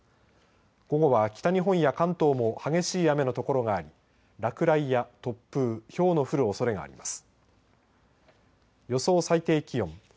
午後は北日本や関東も激しい雨の所があり落雷や突風ひょうの降るおそれがあります。